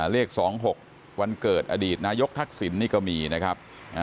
เลข๒๖วันเกิดอดีตนายกทักษิณนี่ก็มีนะครับ